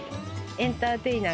「エンターテイナー？」